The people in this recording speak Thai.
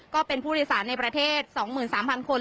ก็เป็นผู้โดยสารในประเทศ๒๓๐๐คน